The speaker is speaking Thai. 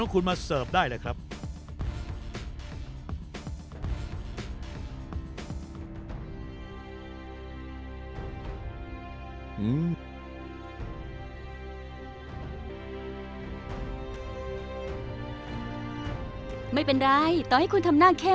คุณทำได้เยี่ยมมาก